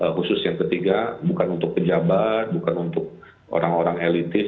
khusus yang ketiga bukan untuk pejabat bukan untuk orang orang elitis